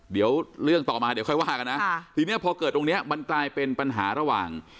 เดี๋ยวเรื่องต่อมาเดี๋ยวค่อยว่ากันนะทีนี้พอเกิดตรงเนี้ยมันกลายเป็นปัญหาระหว่าง